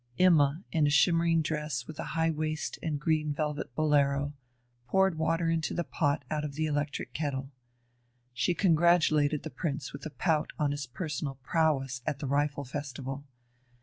Imma, in a shimmering dress with a high waist and green velvet bolero, poured water into the pot out of the electric kettle. She congratulated the Prince with a pout on his personal prowess at the rifle festival.